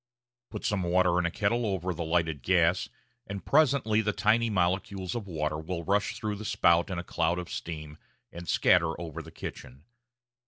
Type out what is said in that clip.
Put some water in a kettle over the lighted gas, and presently the tiny molecules of water will rush through the spout in a cloud of steam and scatter over the kitchen.